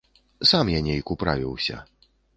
Сам я нейк управіўся.